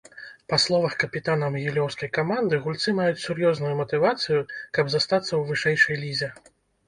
Па словах капітана магілёўскай каманды, гульцы маюць сур'ёзную матывацыю, каб застацца ў вышэйшай лізе.